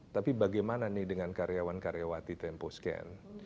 tapi bagaimana nih dengan karyawan karyawati temposcan